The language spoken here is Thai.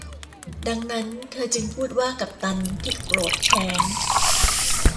ดังนั้นเธอจึงพูดว่ากัปตันที่โกรธแค้น